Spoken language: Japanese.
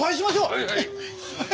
はいはい。